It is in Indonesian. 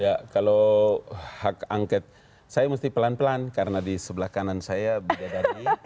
ya kalau hak angket saya mesti pelan pelan karena di sebelah kanan saya beda dari